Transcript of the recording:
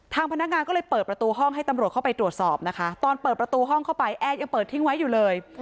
พนักงานก็เลยเปิดประตูห้องให้ตำรวจเข้าไปตรวจสอบนะคะตอนเปิดประตูห้องเข้าไปแอร์ยังเปิดทิ้งไว้อยู่เลย